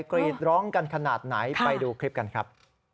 กรีดร้องกันขนาดไหนไปดูคลิปกันครับ